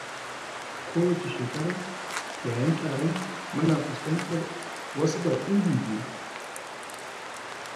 Kowacce shekara, yayin taron, muna fuskantar wasu baƙin juju.